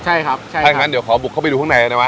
ใช่ครับใช่ถ้าอย่างนั้นเดี๋ยวขอบุกเข้าไปดูข้างในได้ไหม